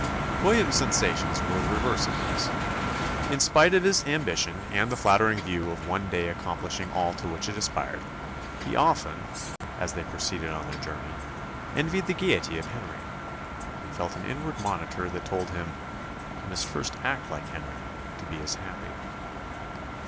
William's sensations were the reverse of these. In spite of his ambition, and the flattering view of one day accomplishing all to which it aspired, he often, as they proceeded on their journey, envied the gaiety of Henry, and felt an inward monitor that told him "he must first act like Henry, to be as happy."